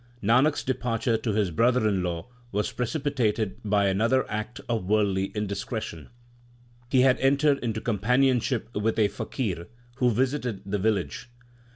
Nanak s departure to his brother in law was pre cipitated by another act of worldly indiscretion. He had entered into companionship with a faqir who visited the village.